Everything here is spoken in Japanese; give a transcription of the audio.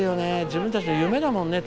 自分たちの夢だもんね